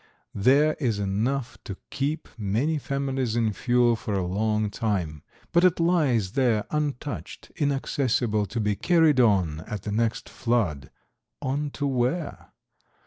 There is enough to keep many families in fuel for a long time, but it lies there untouched, inaccessible, to be carried on at the next flood—on to where?